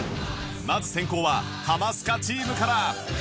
まず先攻はハマスカチームから